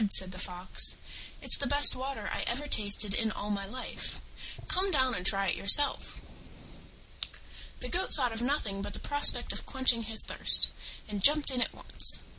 said the Fox, "it's the best water I ever tasted in all my life. Come down and try it yourself." The Goat thought of nothing but the prospect of quenching his thirst, and jumped in at once.